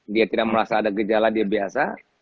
dia tidak merasa ada gejala dia biasa